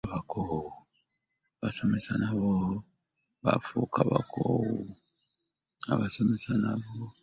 Abasomesa nabo bafuuka bakoowu .